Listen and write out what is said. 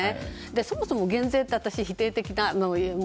そもそも減税って私、否定的な。